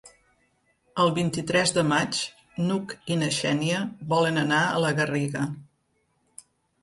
El vint-i-tres de maig n'Hug i na Xènia volen anar a la Garriga.